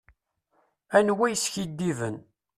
Anwa yeskidiben.